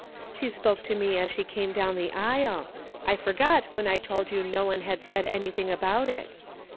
She spoke to me as she came down the aisle. I forgot when I told you no one had said anything ' about it.